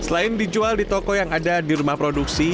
selain dijual di toko yang ada di rumah produksi